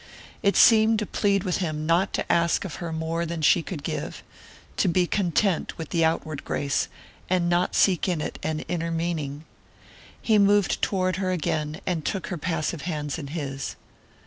It seemed to plead with him not to ask of her more than she could give to be content with the outward grace and not seek in it an inner meaning. He moved toward her again, and took her passive hands in his.